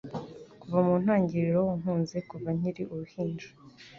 kuva mu ntangiriro Wankuze kuva nkiri uruhinja